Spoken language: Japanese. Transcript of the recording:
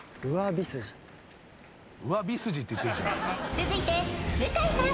続いて向井さん